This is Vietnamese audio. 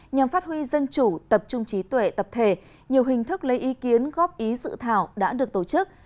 nhằm phát huy dân chủ tập trung trí tuệ tập thể nhiều hình thức lấy ý kiến góp ý dự thảo đã được tổ chức